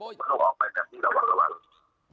ต้องออกไปแบบนี้ระวังระวัง